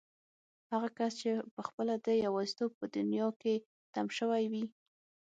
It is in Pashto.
هغه کس چې پخپله د يوازيتوب په دنيا کې تم شوی وي.